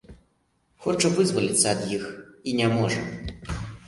Хоча вызваліцца ад іх і не можа.